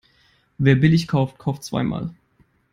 Wer billig kauft, kauft zweimal.